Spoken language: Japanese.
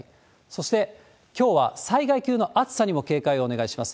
そして、きょうは災害級の暑さにも警戒をお願いします。